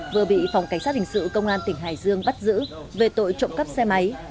vừa bị phòng cảnh sát hình sự công an tỉnh hải dương bắt giữ về tội trộm cắp xe máy